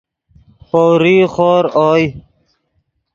پؤریغ خور اوئے